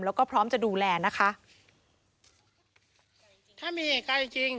แล้วก็พร้อมจะดูแลนะคะ